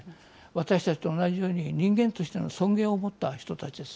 私たちと同じように人間としての尊厳を持った人たちです。